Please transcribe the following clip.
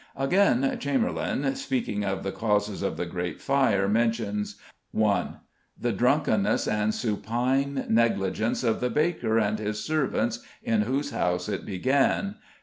Again, Chamberlayne, speaking of the causes of the Great Fire, mentions: 1. "The drunkenness and supine negligence of the baker and his servants in whose house it began.